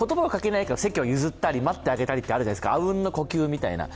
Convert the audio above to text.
席を譲ってあげたり、待ってあげたりってあるじゃないですか、あうんの呼吸みたいな。